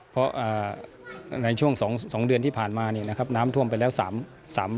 เพราะอ่าในช่วงสองสองเดือนที่ผ่านมานี่นะครับน้ำท่วมไปแล้วสามสาม